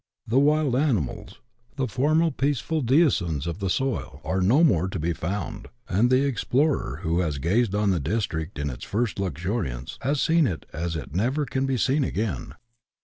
The wild animals, the former peaceful denizens of the soil, are no more to be found, and the explorer, who has gazed on the district in its first luxuriance, has seen it as it never can be seen again.